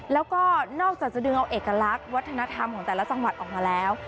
แล้วก็นอกจากจะดึงเอาเอกลักษณ์วัฒนธรรมของแต่ละจังหวัดออกมาแล้ว